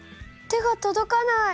手がとどかない！